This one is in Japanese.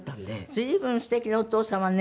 随分すてきなお父様ね。